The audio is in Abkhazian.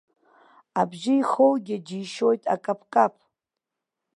Абжьы ихоугьы џьишьоит акаԥкаԥ.